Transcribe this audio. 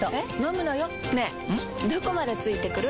どこまで付いてくる？